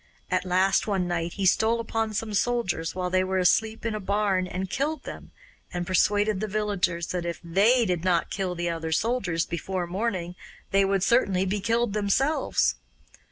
At last one night he stole upon some soldiers while they were asleep in a barn and killed them, and persuaded the villagers that if THEY did not kill the other soldiers before morning they would certainly be killed themselves.